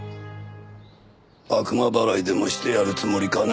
悪魔払いでもしてやるつもりかね？